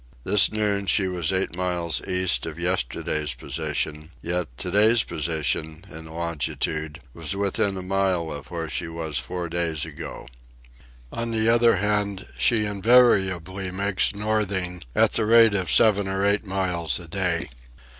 This noon she was eight miles east of yesterday's position, yet to day's position, in longitude, was within a mile of where she was four days ago. On the other hand she invariably makes northing at the rate of seven or eight miles a day.